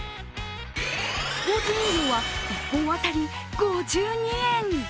スポーツ飲料は１本当たり５２円。